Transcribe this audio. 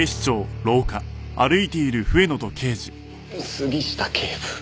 杉下警部。